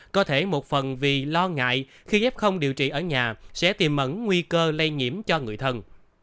có thể một phần vì lo ngại khi ghép không điều trị ở nhà sẽ tìm mẩn nguy cơ lây nhiễm cho người thân